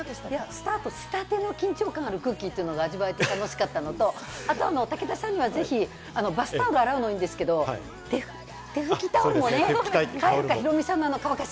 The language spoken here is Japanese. スタートしたての緊張感ある空気が味わえて楽しかったのと、あと武田さんにはぜひ、バスタオルを洗うのいいんですけど、手拭きタオルもね、変えるかヒロミさんの乾かし